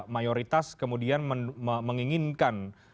mayoritas kemudian menginginkan